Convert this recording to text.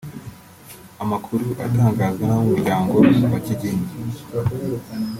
Amakuru atangazwa n’abo mu muryango wa Kigingi